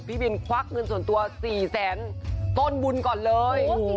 พี่บินควักเงินส่วนตัว๔แสนต้นบุญก่อนเลย